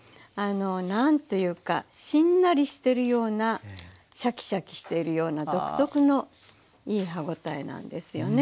何というかしんなりしてるようなシャキシャキしているような独特のいい歯応えなんですよね。